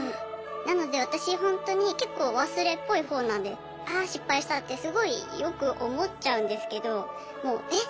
なので私ほんとに結構忘れっぽい方なんであ失敗したってすごいよく思っちゃうんですけどえっ